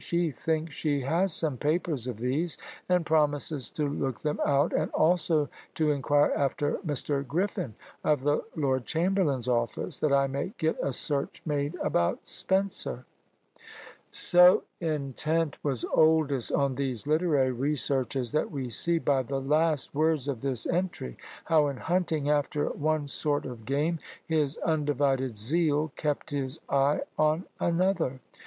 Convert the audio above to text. She thinks she has some papers of these, and promises to look them out, and also to inquire after Mr. Griffin, of the Lord Chamberlain's office, that I may get a search made about Spenser. So intent was Oldys on these literary researches that we see, by the last words of this entry, how in hunting after one sort of game, his undivided zeal kept his eye on another.